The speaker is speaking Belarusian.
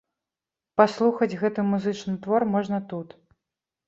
Паслухаць гэты музычны твор можна тут.